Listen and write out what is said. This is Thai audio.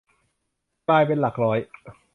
กลายเป็นหลักร้อย